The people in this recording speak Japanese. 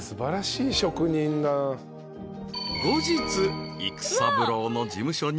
［後日育三郎の事務所に］